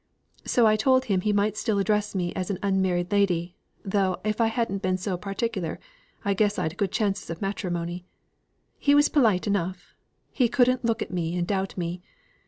So I told him he might still address me as an unmarried lady, though if I hadn't been so particular, I'd had good chances of matrimony. He was polite enough: 'He couldn't look at me and doubt me.